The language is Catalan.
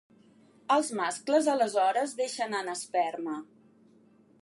Els mascles aleshores deixen anar esperma.